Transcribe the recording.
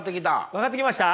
分かってきました？